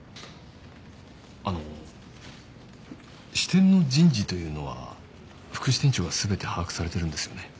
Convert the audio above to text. あの支店の人事というのは副支店長が全て把握されてるんですよね？